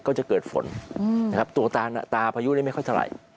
ก็จะเกิดฝนตัวตาพายุไม่ค่อยสลาย